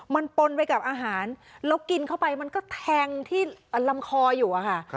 มันปนไปกับอาหารแล้วกินเข้าไปมันก็แทงที่ลำคออยู่อะค่ะ